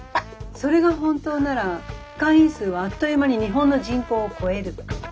それが本当なら会員数はあっという間に日本の人口を超える。